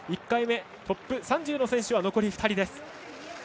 １回目、トップ３０の選手は残り２人です。